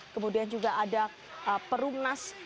kemudian juga ada perumnas